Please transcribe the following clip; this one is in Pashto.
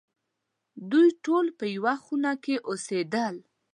دوی ټول په یوه خونه کې اوسېدل.